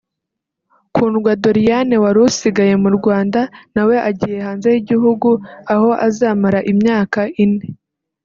Kundwa Doriane wari usigaye mu Rwanda na we agiye hanze y’igihugu aho azamara imyaka ine